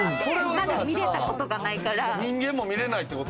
まだ見れたことがないから。